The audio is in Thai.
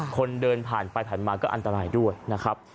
คนเดินผ่านไปผ่านมาก็อันตรายด้วยนะครับ